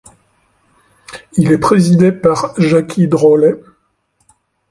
Il est présidé par Jacqui Drollet.